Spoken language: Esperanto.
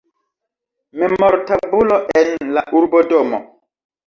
Memortabulo en la urbodomo.